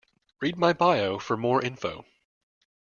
Read my bio for more info.